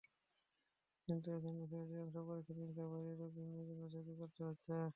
কিন্তু এখন দেখছি অধিকাংশ পরীক্ষা–নীরিক্ষা বাইরের রোগ নির্নয়কেন্দ্র থেকে করতে হচ্ছে।